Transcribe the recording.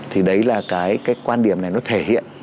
thì đấy là cái quan điểm này nó thể hiện